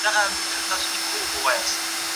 نوې نظریات د تجربو په مټ پرمختګ کوي.